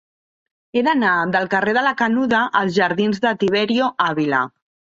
He d'anar del carrer de la Canuda als jardins de Tiberio Ávila.